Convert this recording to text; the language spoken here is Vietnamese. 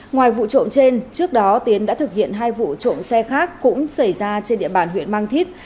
ngoài vụ trộm trên trước đó tiến đã thực hiện hai vụ trộm xe khác cũng xảy ra trên địa bàn huyện mang thít